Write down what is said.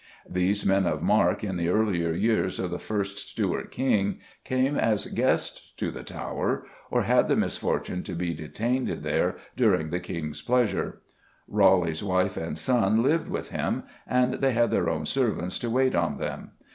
These men of mark in the earlier years of the first Stuart King came as guests to the Tower, or had the misfortune to be detained there "during the King's pleasure." Raleigh's wife and son lived with him, and they had their own servants to wait on them.